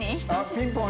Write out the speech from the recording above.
ピンポン］